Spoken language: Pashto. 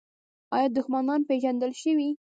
آیا دښمنان پیژندل شوي؟